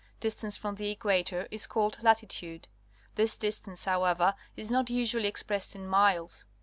Distance from the equator is called Latitude. This distance, however, is not usually expressed in miles.